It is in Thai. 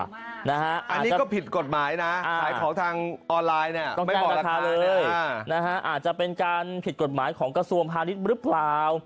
อันนี้ก็ผิดกฎหมายนะขายของทางออนไลน์เนี่ยไม่บอกราคาเลยอาจจะเป็นการผิดกฎหมายของกระทรวงพาณิชย์หรือเปล่า